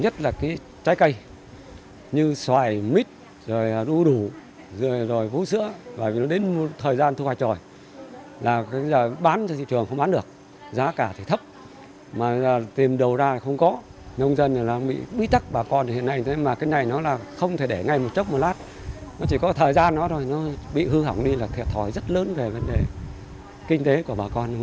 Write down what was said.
thời gian đó rồi nó bị hư hỏng đi là thiệt hỏi rất lớn về vấn đề kinh tế của bà con